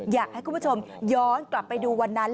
อยากให้คุณผู้ชมย้อนกลับไปดูวันนั้น